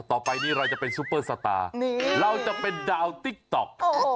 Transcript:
ต่อไปนี้เราจะเป็นซุปเปอร์สตาร์เราจะเป็นดาวติ๊กต๊อก